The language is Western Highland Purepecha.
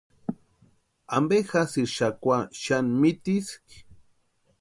¿Ampe jásïri xakwa xani mitiski?